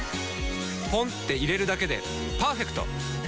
ポンって入れるだけでパーフェクト！